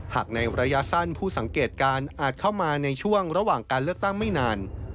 ในระยะสั้นผู้สังเกตการณ์อาจเข้ามาในช่วงระหว่างการเลือกตั้งไม่นาน